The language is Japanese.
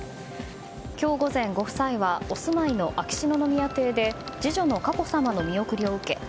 今日午前、ご夫妻はお住いの秋篠宮邸で次女の佳子さまの見送りを受け